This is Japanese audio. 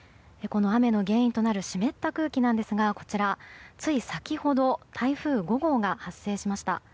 この雨の原因となる湿った空気ですがつい先ほど台風５号が発生しました。